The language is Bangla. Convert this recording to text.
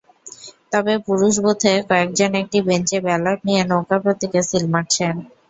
তবে পুরুষ বুথে কয়েকজন একটি বেঞ্চে ব্যালট নিয়ে নৌকা প্রতীকে সিল মারছেন।